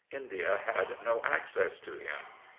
India had no access to him.